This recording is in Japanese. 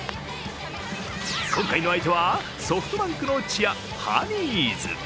今回の相手はソフトバンクのチアハニーズ。